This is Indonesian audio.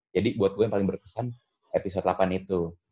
jadi buat gue yang paling berkesan episode delapan itu